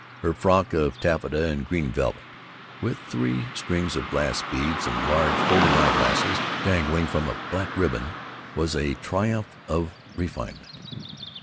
Her frock of taffeta and green velvet, with three strings of glass beads, and large folding eye glasses dangling from a black ribbon, was a triumph of refinement.